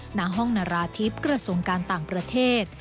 หน้าห้องนาราธิบกระทรวงการต่างประเทศ